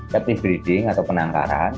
captive breeding atau penangkaran